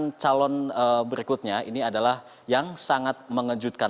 pasangan calon berikutnya ini adalah yang sangat mengejutkan